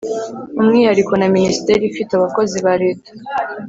umwihariko na Minisiteri ifite abakozi ba Leta